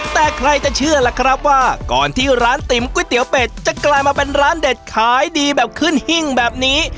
แต่ใครจะเชื่อล่ะครับว่าก่อนที่ร้านติ๋มก๋วยเตี๋ยวเป็ดจะกลายมาเป็นร้านเด็ดขายดีแบบขึ้นหิ้งแบบนี้